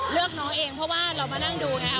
เลือกน้องเองเพราะว่าเรามานั่งดูไงค่ะ